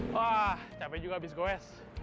wah capek juga habis goes